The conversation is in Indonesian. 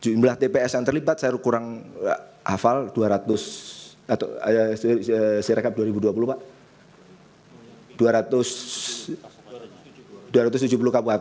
jumlah tps yang terlibat saya kurang hafal dua ratus atau sirekap dua ribu dua puluh pak